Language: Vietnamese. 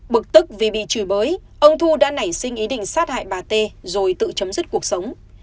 bực tức vì bị chửi bới ông thu đã nảy sinh ý định sát hại bà t rồi tự chấm dứt cuộc sống